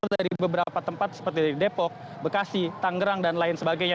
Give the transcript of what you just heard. dari beberapa tempat seperti depok bekasi tanggerang dan lain sebagainya